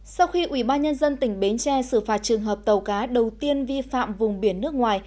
sau khi ủy ban nhân dân tỉnh bến tre xử phạt trường hợp tàu cá đầu tiên vi phạm vùng biển nước ngoài